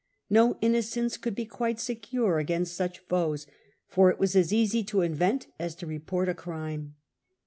No innocence could be quite secure against such foes, for it was as easy to invent as to report a crime.